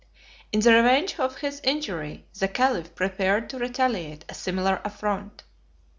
In the revenge of his injury, the caliph prepared to retaliate a similar affront.